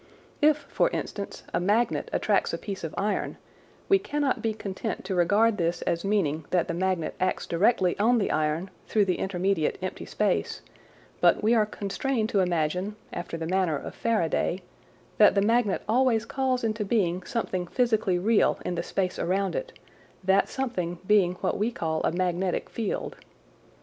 If, for instance, a magnet attracts a piece of iron, we cannot be content to regard this as meaning that the magnet acts directly on the iron through the intermediate empty space, but we are constrained to imagine after the manner of Faraday that the magnet always calls into being something physically real in the space around it, that something being what we call a "magnetic field."